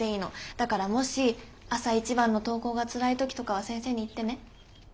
だからもし朝一番の登校がつらい時とかは先生に言ってね。